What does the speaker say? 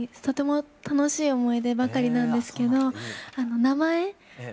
とても楽しい思い出ばかりなんですけど